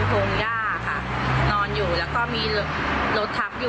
แกขยับไม่ได้